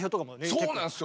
そうなんすよ。